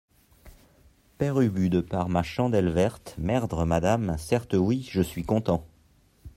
Père Ubu De par ma chandelle verte, merdre, madame, certes oui, je suis content.